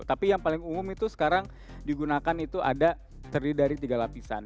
tapi yang paling umum itu sekarang digunakan itu ada terdiri dari tiga lapisan